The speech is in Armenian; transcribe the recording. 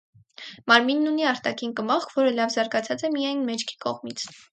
Մարմինն ունի արտաքին կմախք, որը լավ զարգացած է միայն մեջքի կողմից։